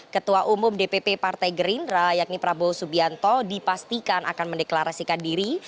ketua umum dpp partai gerindra yakni prabowo subianto dipastikan akan mendeklarasikan diri